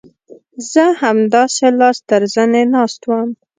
زه همداسې لاس تر زنې ناست وم.